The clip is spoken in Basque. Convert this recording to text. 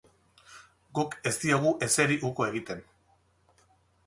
Guk ez diogu ezeri uko egiten.